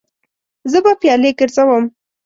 زه به پیالې ګرځوم.